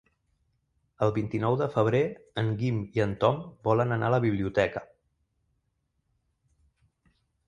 El vint-i-nou de febrer en Guim i en Tom volen anar a la biblioteca.